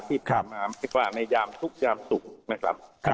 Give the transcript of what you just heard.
ที่มากว่าในยามทุกข์ยามศุกร์นะครับ